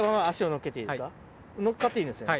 乗っかっていいんですね？